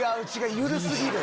緩過ぎる！